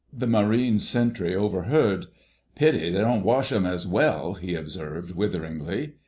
The Marine Sentry overheard. "Pity they don' wash 'em as well," he observed witheringly.